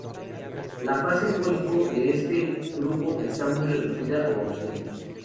La fase pólipo de este grupo está muy reducida o ausente.